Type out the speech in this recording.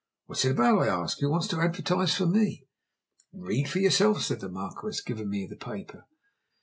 "What is it about?" I asked. "Who wants to advertise for me?" "Read for yourself," said the Marquis, giving me the paper.